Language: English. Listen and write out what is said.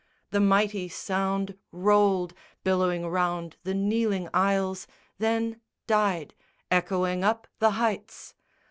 _ The mighty sound Rolled, billowing round the kneeling aisles, then died, Echoing up the heights.